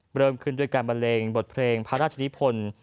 เริ่มขึ้นด้วยการบันเลงบทเพลงพระราชนิพล